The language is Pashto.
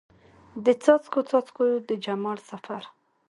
د څاڅکو، څاڅکو د جمال سفر